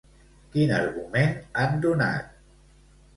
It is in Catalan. Quin argument han donat?